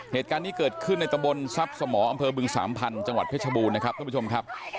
เหตุการณ์นี้เกิดขึ้นในตะบนทรัพย์สมออำเภอบึงสามพันธุ์จังหวัดเพชรบูรณ์นะครับท่านผู้ชมครับ